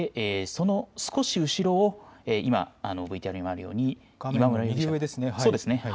その少し後ろを今ＶＴＲにもあるように、余裕ですね。